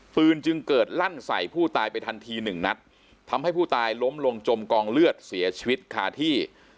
จึงเกิดลั่นใส่ผู้ตายไปทันทีหนึ่งนัดทำให้ผู้ตายล้มลงจมกองเลือดเสียชีวิตคาที่